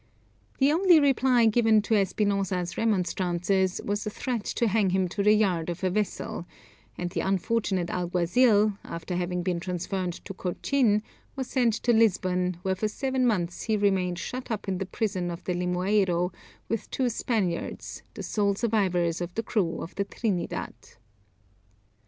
The only reply given to Espinosa's remonstrances was a threat to hang him to the yard of a vessel; and the unfortunate alguazil, after having been transferred to Cochin, was sent to Lisbon, where for seven months he remained shut up in the prison of the Limoeiro with two Spaniards, the sole survivors of the crew of the Trinidad.